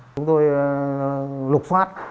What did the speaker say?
chúng tôi lục phát